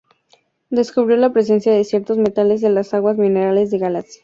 Descubrió la presencia de ciertos metales en las aguas minerales de Galicia.